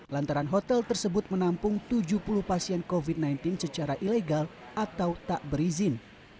lantaran hotel tersebut menampung tujuh puluh pasien covid sembilan belas secara ilegal atau tak berizin